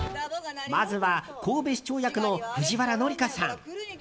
まずは神戸市長役の藤原紀香さん。